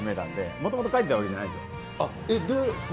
もともと描いてたわけじゃないんですよ。